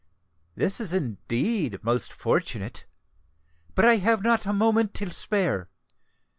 "This is indeed most fortunate! But I have not a moment to spare.